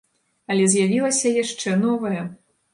Але з'явілася яшчэ новае.